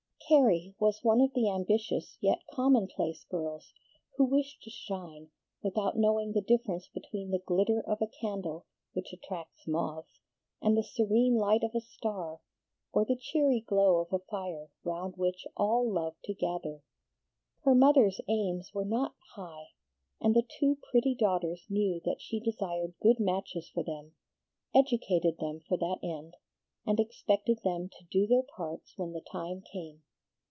Carrie was one of the ambitious yet commonplace girls who wish to shine, without knowing the difference between the glitter of a candle which attracts moths, and the serene light of a star, or the cheery glow of a fire round which all love to gather. Her mother's aims were not high, and the two pretty daughters knew that she desired good matches for them, educated them for that end, and expected them to do their parts when the time came.